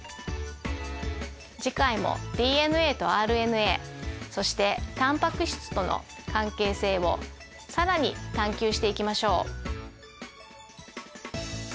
次回もＤＮＡとＲＮＡそしてタンパク質との関係性を更に探究していきましょう。